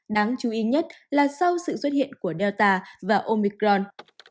đáng chú ý nhất là sau sự xuất hiện của delta và omicron